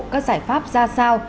các giải pháp ra sao